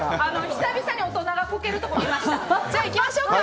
久々に大人がこけるとこ見ました。